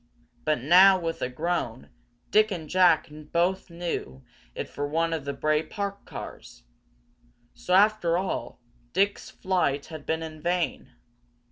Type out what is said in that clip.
But now, with a groan, Dick and Jack both knew it for one of the Bray Park cars. So, after all, Dick's flight had been in vain.